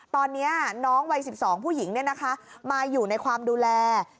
ตอนนี้น้องวัย๑๒ผู้หญิงมาอยู่ในความดูแล